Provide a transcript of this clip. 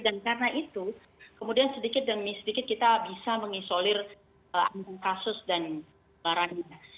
dan karena itu kemudian sedikit demi sedikit kita bisa mengisolir kasus dan barangnya